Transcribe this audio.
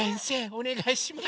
おねがいします。